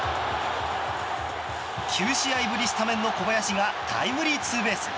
９試合ぶりのスタメンの小林がタイムリーツーベース。